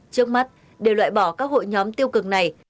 trước mắt đều loại bỏ các hội nhóm tiêu cực này